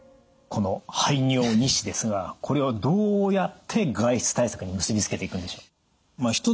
この排尿日誌ですがこれをどうやって外出対策に結び付けていくんでしょう？